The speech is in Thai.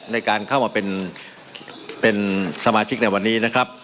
ในการเข้ามาเป็นสมาชิกในวันนี้นะครับ